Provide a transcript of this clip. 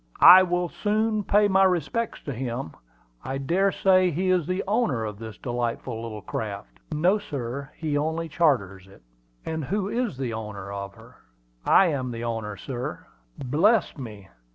"I will soon pay my respects to him. I dare say he is the owner of this delightful little craft." "No, sir; he only charters her." "And who is the owner of her?" "I am the owner, sir." "Bless me!